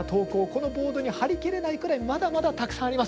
このボードに貼り切れないくらいまだまだたくさんあります。